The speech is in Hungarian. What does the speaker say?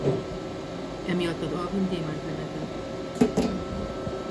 Emiatt az album gyémántlemez lett.